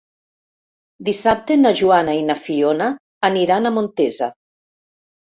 Dissabte na Joana i na Fiona aniran a Montesa.